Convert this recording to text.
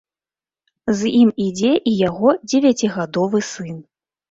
З ім ідзе і яго дзевяцігадовы сын.